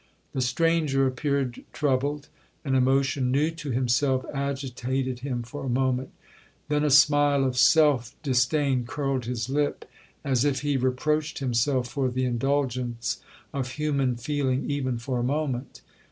The stranger appeared troubled,—an emotion new to himself agitated him for a moment,—then a smile of self disdain curled his lip, as if he reproached himself for the indulgence of human feeling even for a moment.